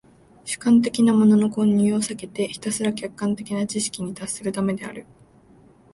主観的なものの混入を避けてひたすら客観的な知識に達するためである。